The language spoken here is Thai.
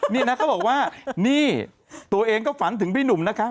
นี่นะเขาบอกว่านี่ตัวเองก็ฝันถึงพี่หนุ่มนะคะ